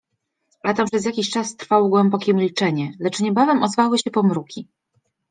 A tam przez jakiś czas trwało głębokie milczenie, lecz niebawem ozwały się pomruki.